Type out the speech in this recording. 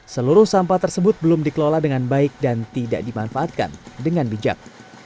seluruh sampah tersebut belum dikelola dengan baik dan tidak dimanfaatkan dengan bijak